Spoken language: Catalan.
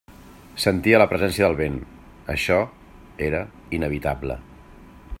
Sentia la presència del vent, això era inevitable.